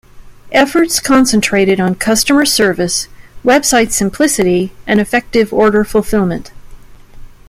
Efforts concentrated on customer service, website simplicity, and effective order fulfillment.